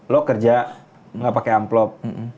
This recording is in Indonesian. lo kerja nggak pakai amplop